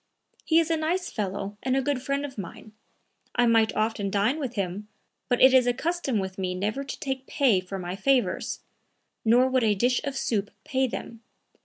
"He is a nice fellow and a good friend of mine; I might often dine with him, but it is a custom with me never to take pay for my favors; nor would a dish of soup pay them.